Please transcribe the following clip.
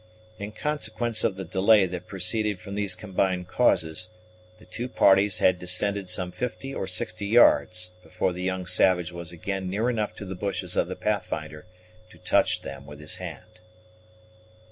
In consequence of the delay that proceeded from these combined causes, the two parties had descended some fifty or sixty yards before the young savage was again near enough to the bushes of the Pathfinder to touch them with his hand.